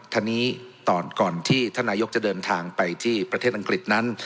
ทีนี้ก่อนที่ท่านนายกจะเดินทางไปที่ประเทศอังกฤษนั้น